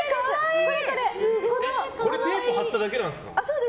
これテープ貼っただけなんですか？